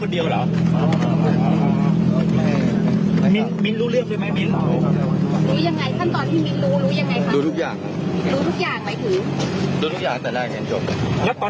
เดี๋ยวเราลองฟังหน่อยที่ผู้สุขากำลังถามนะฮะ